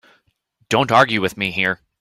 Don't argue with me here.